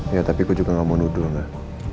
ya tapi aku juga gak mau nuduh enggak